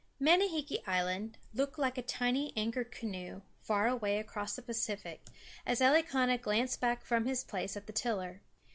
I Manihiki Island looked like a tiny anchored canoe far away across the Pacific, as Elikana glanced back from his place at the tiller.